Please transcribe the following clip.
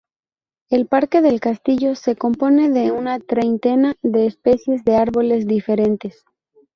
El parque del castillo se compone de una treintena de especies de árboles diferentes.